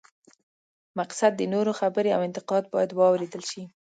مقصد د نورو خبرې او انتقاد باید واورېدل شي.